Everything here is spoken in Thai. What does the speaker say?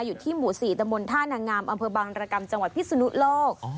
อยู่ที่หมู่๔ตมท่านางามอำเภอบางรกรรมจังหวัดพิศนุโลก